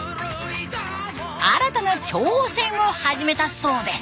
新たな挑戦を始めたそうです。